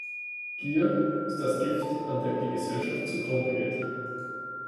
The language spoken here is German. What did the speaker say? Gier ist das Gift, an dem die Gesellschaft zugrunde geht.